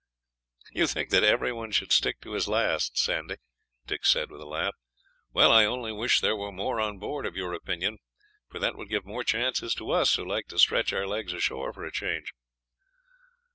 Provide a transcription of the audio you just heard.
"You think that everyone should stick to his last, Sandy," Dick said with a laugh. "Well, I only wish there were more on board of your opinion, for that would give more chances to us who like to stretch our legs ashore for a change."